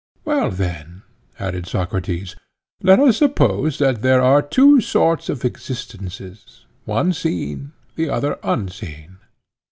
Well, then, added Socrates, let us suppose that there are two sorts of existences—one seen, the other unseen.